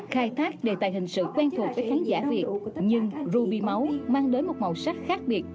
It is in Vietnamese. khai thác đề tài hình sự quen thuộc với khán giả việt nhưng ruby máu mang đến một màu sắc khác biệt